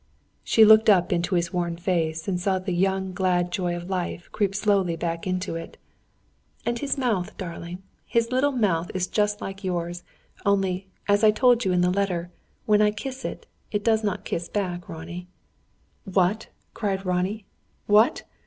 She looked up into his worn face, and saw the young glad joy of life creep slowly back into it. "And his mouth, darling his little mouth is just like yours; only, as I told you in the letter, when I kiss it it does not kiss back, Ronnie." "What?" cried Ronnie. "What?"